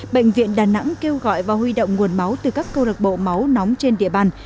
bệnh viện đà nẵng kêu gọi và huy động nguồn máu từ các câu lạc bộ máu nóng trên địa bàn